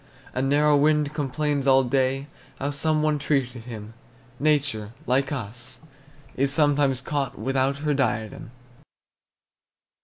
A narrow wind complains all day How some one treated him; Nature, like us, is sometimes caught Without her diadem.